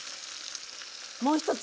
もう一つ